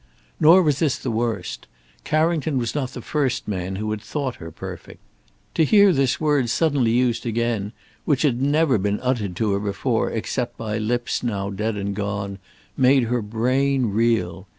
Nor was this the worst. Carrington was not the first man who had thought her perfect. To hear this word suddenly used again, which had never been uttered to her before except by lips now dead and gone, made her brain reel.